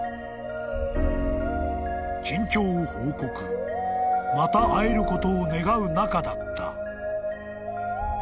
［近況を報告また会えることを願う仲だった］